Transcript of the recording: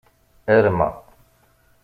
Arma.